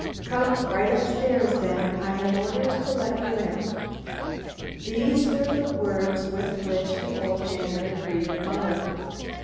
Come right up stairs then, I have orders to let you in." These were the words with which the old janitor greeted Muller.